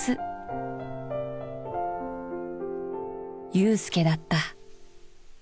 裕介だった。